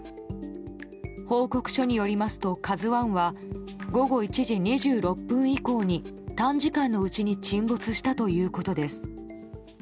報告書によりますと「ＫＡＺＵ１」は午後１時２６分以降に短時間のうちに沈没したということです。